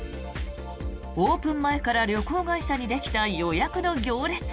オープン前から旅行会社にできた予約の行列。